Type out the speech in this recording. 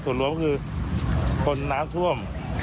ส่วนรวมคือคนน้ำท่วม